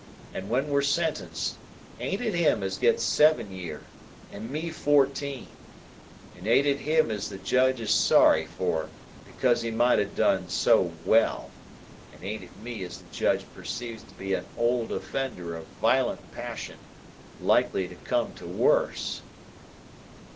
And when we're sentenced, ain't it him as gets seven year, and me fourteen, and ain't it him as the Judge is sorry for, because he might a done so well, and ain't it me as the Judge perceives to be a old offender of wiolent passion, likely to come to worse?"